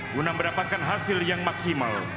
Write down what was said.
guna mendapatkan hasil yang maksimal